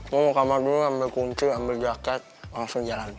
mau kamar dulu ambil kunci ambil jaket langsung jalan